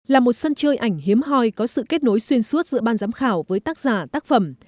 là một sân chơi ảnh hiếm hoi có sự kết nối xuyên suốt giữa ban giám khảo với tác giả tác phẩm